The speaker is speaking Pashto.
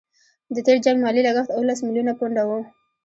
د تېر جنګ مالي لګښت اوولس میلیونه پونډه وو.